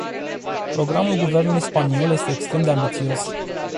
Programul guvernului spaniol este extrem de ambițios.